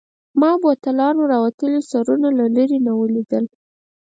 ما بوتلانو راوتلي سرونه له لیري نه ولیدل.